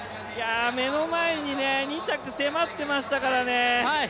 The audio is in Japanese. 目の前に２着迫ってましたからね。